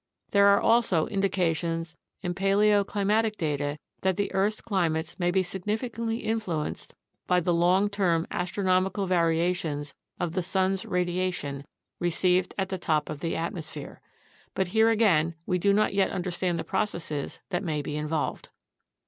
There are also indications in paleoclimatic data that the earth's climates may be significantly influenced by the long term astronomical variations of the sun's radiation received at the top of the atmosphere. But here again we do not yet understand the processes that may be involved.